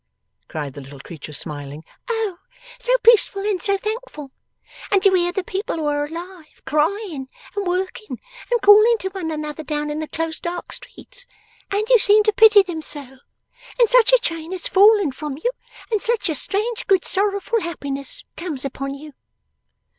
cried the little creature, smiling. 'Oh, so peaceful and so thankful! And you hear the people who are alive, crying, and working, and calling to one another down in the close dark streets, and you seem to pity them so! And such a chain has fallen from you, and such a strange good sorrowful happiness comes upon you!